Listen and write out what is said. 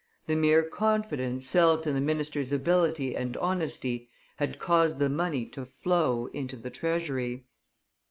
The mere confidence felt in the minister's ability and honesty had caused the money to flow into the treasury.